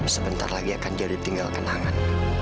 sebentar lagi akan jadi tinggal kenangan